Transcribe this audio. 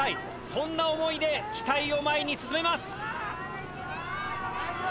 そんな想いで機体を前に進めます。